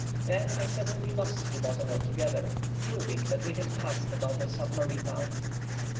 Then I suddenly lost the bottom altogether, proving that we had passed above a submarine mountain.